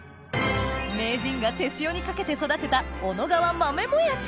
名人が手塩にかけて育てた小野川豆もやし